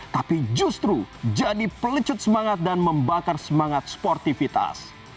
tapi justru jadi pelecut semangat dan membakar semangat sportivitas